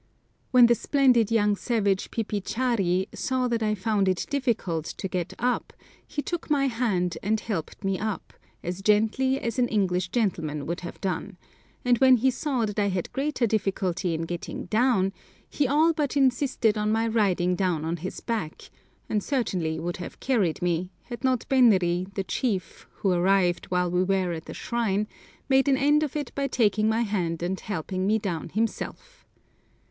When the splendid young savage, Pipichari, saw that I found it difficult to get up, he took my hand and helped me up, as gently as an English gentleman would have done; and when he saw that I had greater difficulty in getting down, he all but insisted on my riding down on his back, and certainly would have carried me had not Benri, the chief, who arrived while we were at the shrine, made an end of it by taking my hand and helping me down himself.